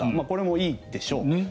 これもいいでしょう。